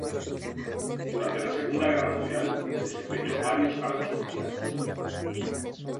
Durante la Segunda Guerra Mundial desempeñó varios cargos oficiales.